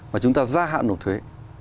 mà chúng ta gia hạn nộp thuế